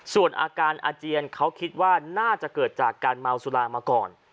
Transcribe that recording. ส่วนอาการอาเจียนเขาคิดว่าน่าจะเกิดจากการเมาสุรามาก่อน